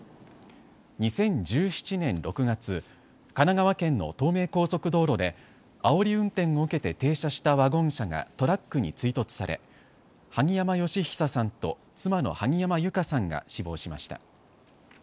２０１７年６月、神奈川県の東名高速道路であおり運転を受けて停車したワゴン車がトラックに追突され萩山嘉久さんと妻の萩山友香さんが死亡しました。